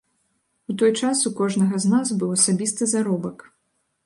У той час у кожнага з нас быў асабісты заробак.